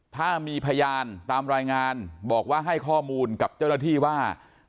ถ้ามีพยานตามรายงานบอกว่าให้ข้อมูลกับเจ้าหน้าที่ว่า